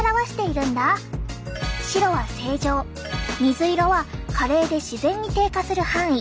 白は正常水色は加齢で自然に低下する範囲。